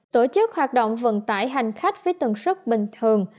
tổ chức hoạt động vận tải hành khách với tầng sức bình thường